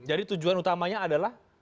jadi tujuan utamanya adalah